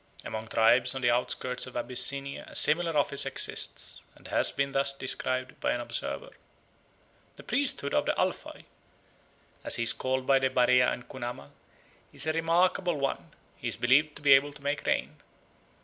Among tribes on the outskirts of Abyssinia a similar office exists and has been thus described by an observer: "The priesthood of the Alfai, as he is called by the Barea and Kunama, is a remarkable one; he is believed to be able to make rain.